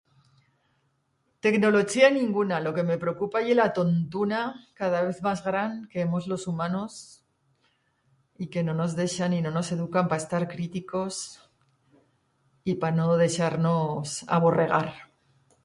Tecnolochía ninguna, lo que me preocupa ye la tontuna cada vez mas gran que hemos los humanos, y que no nos deixan y no nos educan pa estar criticos y pa no deixar-nos aborregar.